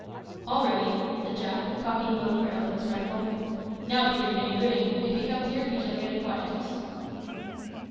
"All ready," said Jack, cocking both barrels of his rifle. "Now, Peterkin, a good aim. If he comes here he shall get a quietus."